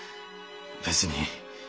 別に。